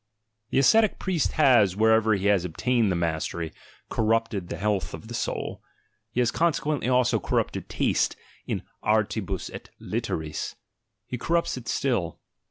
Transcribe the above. The ascetic priest has, wherever he has obtained the mastery, corrupted the health of the soul, he has conse quently also corrupted taste in artibus et litteris — he corrupts it still.